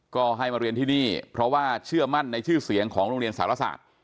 ก็ให้มาเรียนที่นี่เพราะว่าเชื่อมั่นในชื่อเสียงของโรงเรียนสารศาสตร์